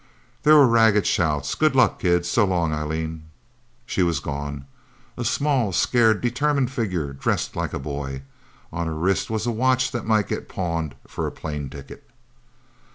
There were ragged shouts. "Good luck, kid. So long, Eileen..." She was gone a small, scared, determined figure, dressed like a boy. On her wrist was a watch that might get pawned for a plane ticket.